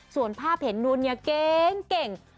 ส่วนภาพเห็นนัวเนียะเก๋งเก่ง